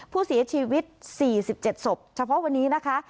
ผู้เสียชีวิต๔๗ศพเฉพาะวันนี้นะคะ